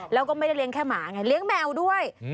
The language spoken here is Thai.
แล้วก็ไม่ได้เลี้ยงแค่หมาไงเลี้ยงแมวด้วย